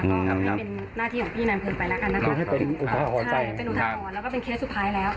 ก็เป็นหน้าที่ของพี่น้ำเฟอร์ไปแล้วกันนะคะใช่เป็นอุทาหอนแล้วก็เป็นเคสสุดท้ายแล้ว